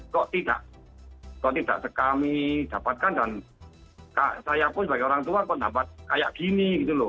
kok tidak sekami dapatkan dan saya pun sebagai orang tua kok dapat kayak gini gitu loh